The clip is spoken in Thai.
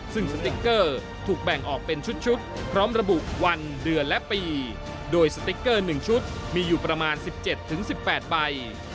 ซึ่งสติ๊กเกอร์ถูกแบ่งออกเป็นชุดพร้อมระบุวันเดือนและปีโดยสติ๊กเกอร์๑ชุดมีอยู่ประมาณ๑๗๑๘ใบ